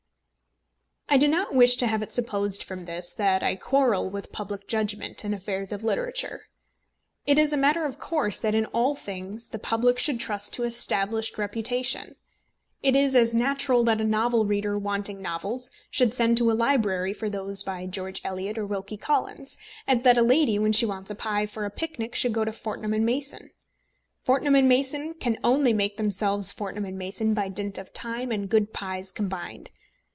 I do not wish to have it supposed from this that I quarrel with public judgment in affairs of literature. It is a matter of course that in all things the public should trust to established reputation. It is as natural that a novel reader wanting novels should send to a library for those by George Eliot or Wilkie Collins, as that a lady when she wants a pie for a picnic should go to Fortnum & Mason. Fortnum & Mason can only make themselves Fortnum & Mason by dint of time and good pies combined.